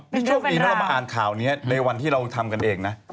บ๊วยช่วงนี้เนี่ยเรามาอ่านข่านี้ในวันที่เราทำกันเองน่ะ